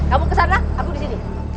kamu kesana aku disini